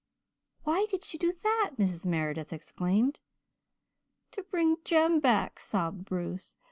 "'Why did you do that?' Mrs. Meredith exclaimed. "'To bring Jem back,' sobbed Bruce.